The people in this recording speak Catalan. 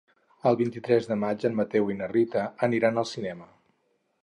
El vint-i-tres de maig en Mateu i na Rita aniran al cinema.